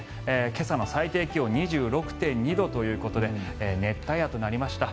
今朝の最低気温２６．２度ということで熱帯夜となりました。